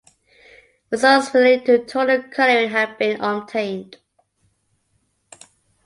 Results related to total coloring have been obtained.